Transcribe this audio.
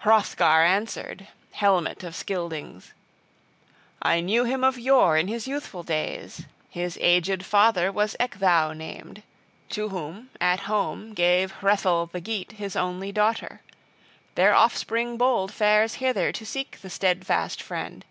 VI HROTHGAR answered, helmet of Scyldings: "I knew him of yore in his youthful days; his aged father was Ecgtheow named, to whom, at home, gave Hrethel the Geat his only daughter. Their offspring bold fares hither to seek the steadfast friend.